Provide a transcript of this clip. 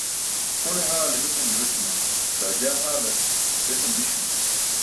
Une haale besan jooćuma, daa jaa haalar besan di̇śuma?